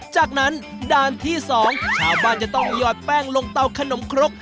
จากนั้นด่านที่๒ชาวบ้านจะต้องหยอดแป้งลงเตาขนมครก